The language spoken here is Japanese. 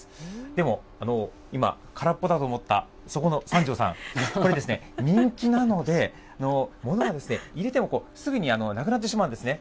でも、今、空っぽだと思ったそこの三條さん、これですね、人気なので、ものが入れてもすぐになくなってしまうんですね。